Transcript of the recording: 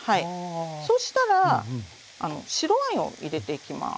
そしたら白ワインを入れていきます。